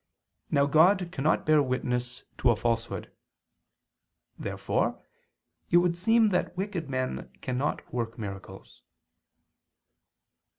Now God cannot bear witness to a falsehood. Therefore it would seem that wicked men cannot work miracles.